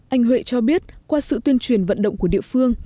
anh huệ cho biết qua sự tuyên truyền vận động của địa phương